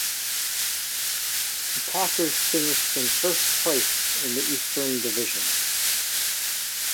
The Packers finished in first place in the Eastern Division.